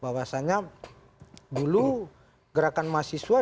bahwasanya dulu gerakan mahasiswa itu